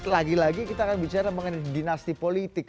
lagi lagi kita akan bicara mengenai dinasti politik